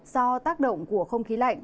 do tác động của không khí lạnh